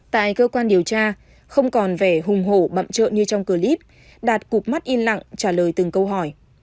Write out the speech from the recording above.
tại cơ quan điều tra không còn vẻ hùng hổ bậm trợ như trong clip đạt cụm mắt in lặng trả lời từng câu hỏi